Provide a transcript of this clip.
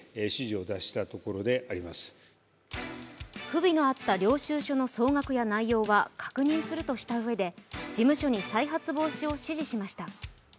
不備のあった領収書の総額や内容は確認するとしたうえで事務所に再発防止を指示しました。